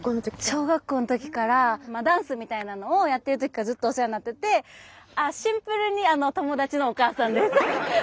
小学校のときからダンスみたいなのをやってるときからずっとお世話になっててシンプルに友達のお母さんです。